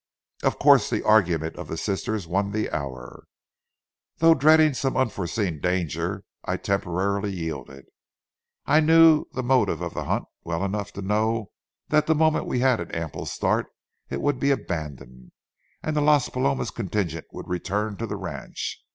Of course the argument of the sisters won the hour. Though dreading some unforeseen danger, I temporarily yielded. I knew the motive of the hunt well enough to know that the moment we had an ample start it would be abandoned, and the Las Palomas contingent would return to the ranch.